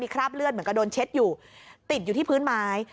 คราบเลือดเหมือนกับโดนเช็ดอยู่ติดอยู่ที่พื้นไม้